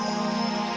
terima kasih pak